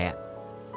ba trùng rượu